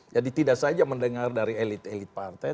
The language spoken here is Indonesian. jadi tidak saja mendengar dari elit elit partai